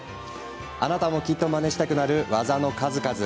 あなたもきっとまねしたくなる技の数々。